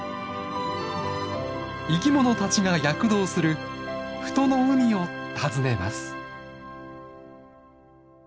生きものたちが躍動する富戸の海を訪ねます。